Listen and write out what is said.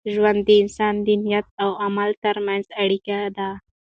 ژوند د انسان د نیت او عمل تر منځ اړیکه ده.